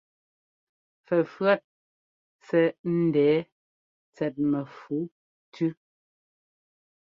Fɛfʉ̈ɔt sɛ́ ńdɛɛ tsɛt mɛfu tʉ́.